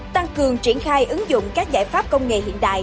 tăng cường triển khai ứng dụng các giải pháp công nghệ hiện đại